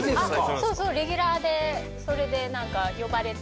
そうそうレギュラーでそれで呼ばれて。